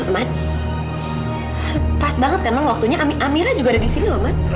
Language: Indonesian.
man pas banget kan lo waktunya amira juga ada di sini loh man